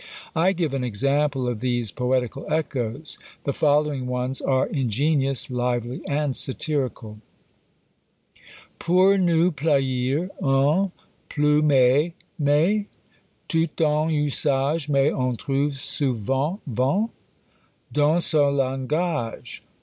I give an example of these poetical echoes. The following ones are ingenious, lively, and satirical: Pour nous plaire, un pl_umet_ Met Tout en usage: Mais on trouve sou_vent_ Vent Dans son langage.